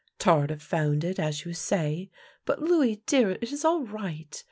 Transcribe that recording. Tardif found it, as you say. But, Louis, dear, it is all right.